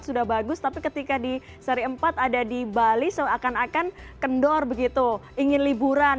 sudah bagus tapi ketika di seri empat ada di bali seakan akan kendor begitu ingin liburan